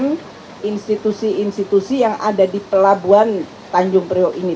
dengan institusi institusi yang ada di pelabuhan tanjung priok ini